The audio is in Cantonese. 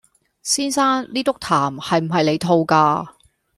先生，呢篤痰係唔係你吐㗎？